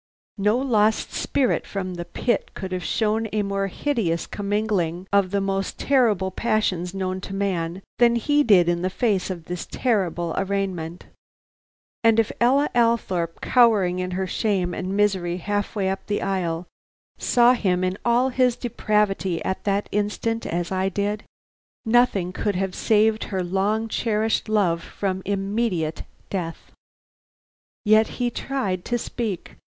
No lost spirit from the pit could have shown a more hideous commingling of the most terrible passions known to man than he did in the face of this terrible arraignment; and if Ella Althorpe, cowering in her shame and misery half way up the aisle, saw him in all his depravity at that instant as I did, nothing could have saved her long cherished love from immediate death. Yet he tried to speak.